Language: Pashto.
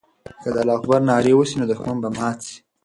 که د الله اکبر ناره وسي، نو دښمن به مات سي.